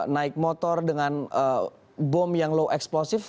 naik motor dengan bom yang low explosive